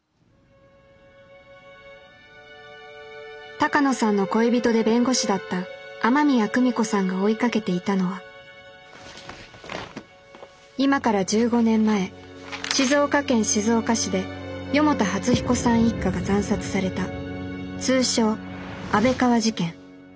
鷹野さんの恋人で弁護士だった雨宮久美子さんが追いかけていたのは今から１５年前静岡県静岡市で四方田初彦さん一家が惨殺された通称安倍川事件。